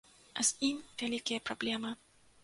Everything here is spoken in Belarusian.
З ім вялікія праблемы.